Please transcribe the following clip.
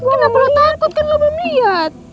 kenapa lo takut kan lo belum liat